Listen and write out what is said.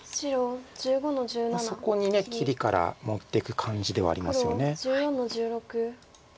そこに切りから持っていく感じではありますよね。